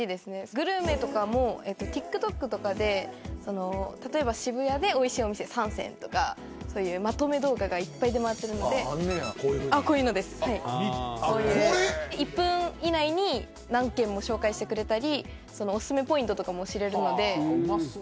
グルメとかもＴｉｋＴｏｋとかで例えば渋谷でおいしいお店３選とかそういうまとめ動画がいっぱい出回っていて１分以内に何軒も紹介してくれたりお薦めポイントとかも知れるので。